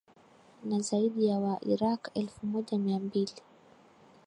na zaidi ya wairaq elfu moja mia mbili